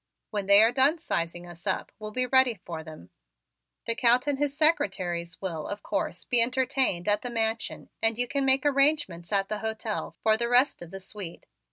When they are done sizing us up, we'll be ready for them. The Count and his secretaries will, of course, be entertained at the Mansion and you can make arrangements at the hotel for the rest of the suite.